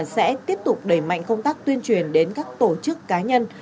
sẽ tiếp tục đẩy mạnh công tác tuyên truyền đến các tổ chức cá nhân